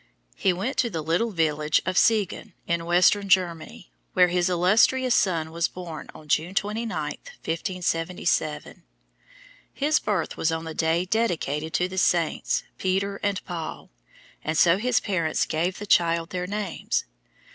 He went to the little village of Siegen, in western Germany, where his illustrious son was born on June 29th, 1577. His birth was on the day dedicated to the saints, Peter and Paul, and so his parents gave the child their names.